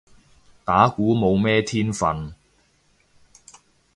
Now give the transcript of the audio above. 打鼓冇咩天份